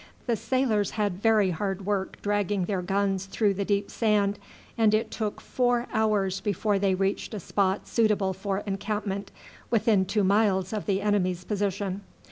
The sailors had very hard work dragging their guns through the deep sand, and it took four hours before they reached a spot suitable for encampment, within two miles of the enemy's position.